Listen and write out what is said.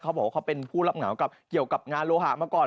เขาบอกว่าเขาเป็นผู้รับเหงากับเกี่ยวกับงานโลหะมาก่อน